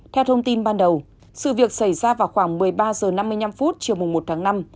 theo thông tin ban đầu sự việc xảy ra vào khoảng một mươi ba h năm mươi năm chiều một tháng năm